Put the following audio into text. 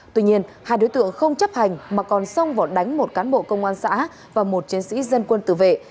tuy nhiên hai đối tượng không chấp hành mà còn xông vào đánh một cán bộ công an xã và một chiến sĩ dân quân tự vệ